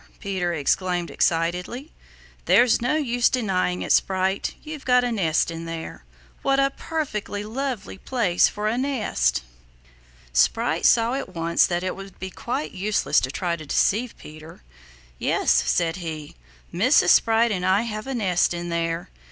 Peter exclaimed excitedly. "There's no use denying it, Sprite; you've got a nest in there! What a perfectly lovely place for a nest." Sprite saw at once that it would be quite useless to try to deceive Peter. "Yes," said he, "Mrs. Sprite and I have a nest in there.